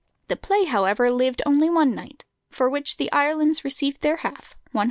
The play, however, lived only one night, for which the Irelands received their half, £103.